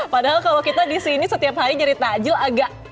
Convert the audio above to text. padahal kalau kita disini setiap hari nyari tajil agak